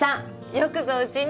よくぞうちに！